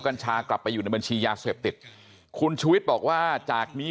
กัญชากลับไปอยู่ในบัญชียาเสพติดคุณชุวิตบอกว่าจากนี้